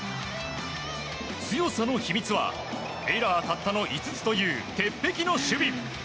強さの秘密はエラーたったの５つという鉄壁の守備。